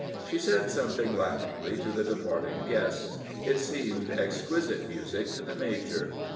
She said something laughingly to the departing guests; it seemed exquisite music to the major.